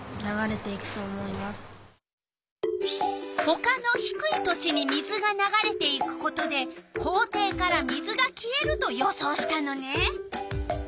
ほかのひくい土地に水がながれていくことで校庭から水が消えると予想したのね。